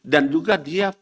dan juga dia tunduk